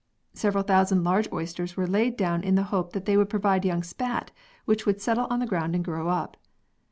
Several thousand large oysters were laid down in the hope that they would provide young spat which would settle on the ground and grow up.